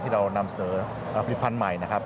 เรานำเสนอผลิตภัณฑ์ใหม่นะครับ